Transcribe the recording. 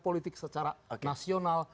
politik secara nasional